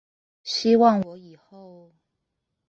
希望我以後